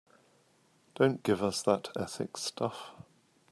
Don't give us that ethics stuff.